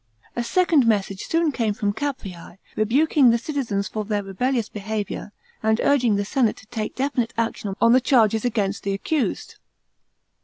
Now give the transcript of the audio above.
A second message soon came from Capreae, rebuking the citizens for their rebellious behaviour, and urging the senate to take definite action on the charges against the arcus d.